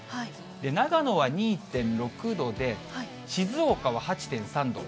長野は２．６度で、静岡は８．３度。